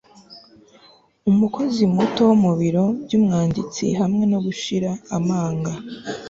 Umukozi muto wo mu biro byumwanditsi hamwe no gushira amanga